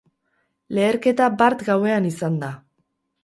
Leherketa bart gauean izan da.